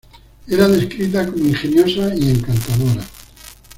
Era descrita como ingeniosa y encantadora.